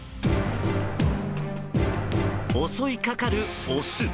襲いかかるオス。